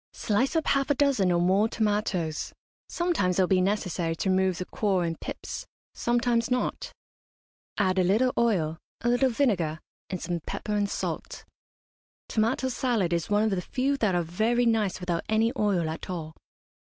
Slice up half a dozen or more tomatoes sometimes it will be necessary to remove the core and pips, sometimes not; add a little oil, a little vinegar, and some pepper and salt. Tomato salad is one of the few that are very nice without any oil at all.